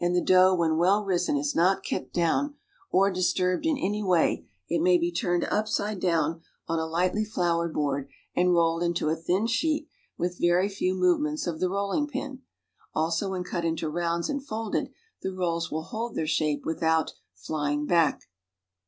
ie dough \\lien well risen is not cut do« n or disturbetl in any \\ay it may he turned up side down on a lightly^floured hoard and rolled into a thin sheet with very few movements of the rolling' ])in, also when cut into rounds and folded, the rolls will hold their shaj^e with out ""flying back."